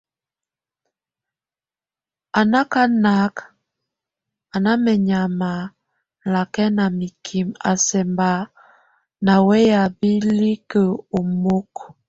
A nakanak, a ná menyama lakɛna mikim a sɛk bá na weyá bilik omok.